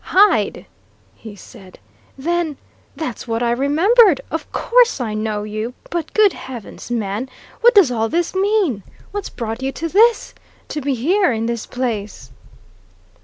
"Hyde!" he said. "Then that's what I remembered! Of course I know you! But good heavens, man, what does all this mean? What's brought you to this to be here, in this place?"